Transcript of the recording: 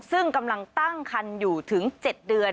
ซึ่งกำลังตั้งคันอยู่ถึง๗เดือน